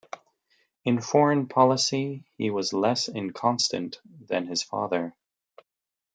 In foreign policy, he was less inconstant than his father.